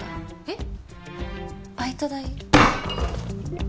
えっ？バイト代。